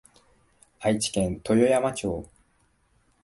愛知県豊山町